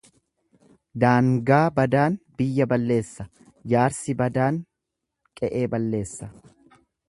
Daangaa badaan biyya balleessa, jaarsi badaan qe'ee balleessa.